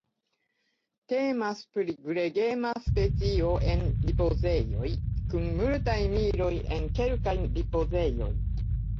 Temas pri gregema specio en ripozejoj kun multaj miloj en kelkaj ripozejoj.